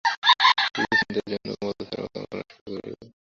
কুচিন্তা যেন ক্রমাগত ছায়ার মতো আমার আশেপাশে ঘুরে বেড়াতে লাগল।